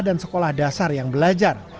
dan sekolah dasar yang belajar